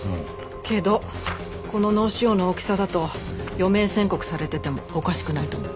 けどこの脳腫瘍の大きさだと余命宣告されててもおかしくないと思う。